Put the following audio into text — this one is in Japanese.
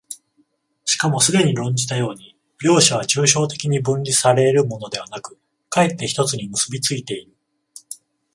しかもすでに論じたように、両者は抽象的に分離され得るものでなく、却って一つに結び付いている。